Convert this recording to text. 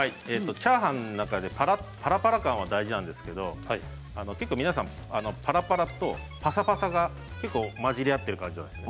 チャーハンの中でパラパラ感は大事なんですけれども結構、皆さんパラパラとパサパサが混じり合っている感じなんです。